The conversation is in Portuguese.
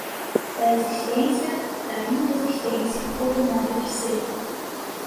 da existência, da inexistência ou do modo de ser